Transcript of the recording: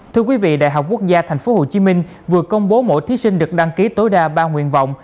thưa quý vị đại học quốc gia tp hcm vừa công bố mỗi thí sinh được đăng ký tối đa ba nguyện vọng